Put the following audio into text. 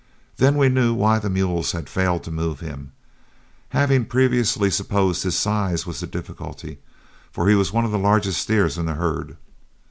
Then we knew why the mules had failed to move him, having previously supposed his size was the difficulty, for he was one of the largest steers in the herd.